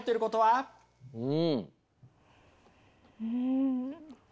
うん。